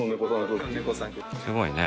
すごいね。